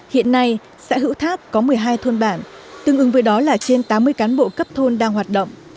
hiện nay xã hữu tháp có một mươi hai thôn bản tương ứng với đó là trên tám mươi cán bộ cấp thôn đang hoạt động